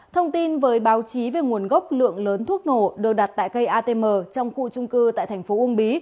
thông tin với báo chí về nguồn gốc lượng lớn thuốc nổ được đặt tại cây atm trong khu trung cư tại thành phố uông bí